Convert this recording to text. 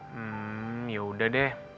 hmm yaudah deh